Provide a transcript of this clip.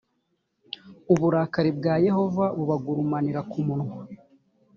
uburakari bwa yehova bubagurumanira kumunwa